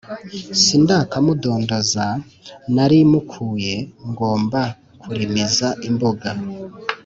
sindakamudondoza, nalimukuye ngomba kulimiza imbuga,